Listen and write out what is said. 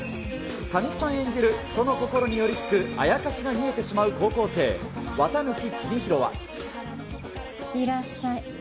神木さん演じる人の心に寄りつくアヤカシが視えてしまう高校生、いらっしゃい。